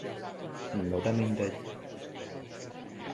No de mindegy.